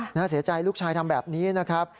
น่าเสียใจลูกชายทำแบบนี้นะครับ